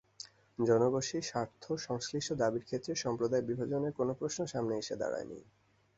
জনগোষ্ঠীর স্বার্থ-সংশ্লিষ্ট দাবির ক্ষেত্রে সম্প্রদায় বিভাজনের কোনো প্রশ্ন সামনে এসে দাঁড়ায়নি।